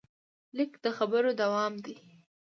لیک د خبرو دوام دی.